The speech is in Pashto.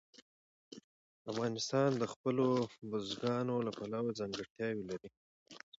افغانستان د خپلو بزګانو له پلوه ځانګړتیاوې لري.